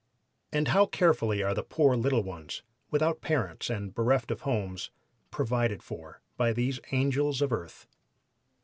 And how carefully are the poor little ones, without parents and bereft of homes, provided for by these angels of earth!